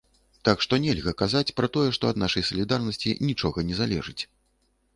Так што нельга казаць пра тое, што ад нашай салідарнасці нічога не залежыць.